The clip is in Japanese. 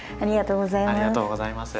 ありがとうございます。